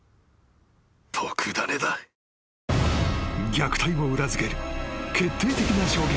［虐待を裏付ける決定的な証言］